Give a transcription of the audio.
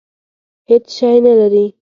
هېڅ شی نه لري.